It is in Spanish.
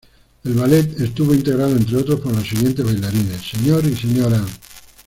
El ballet estuvo integrado, entre otros, por los siguientes bailarines: Sr. y Sra.